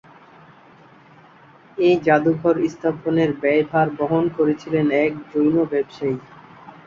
এই জাদুঘর স্থাপনের ব্যয়ভার বহন করেছিলেন এক জৈন ব্যবসায়ী।